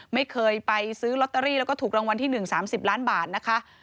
ไม่เคยไปซื้อลอตเตอรี่แล้วก็ถูกรางวัลที่๑๓๐ล้านบาทนะคะ